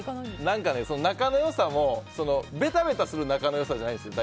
仲の良さもベタベタする仲の良さじゃないんですよ